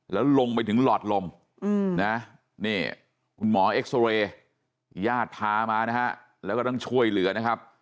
แล้วลงไปถึงหลอดลมนะนี่คุณหมอเอ็กซอเรย์ญาติพามานะฮะแล้วก็ต้องช่วยเหลือนะครับ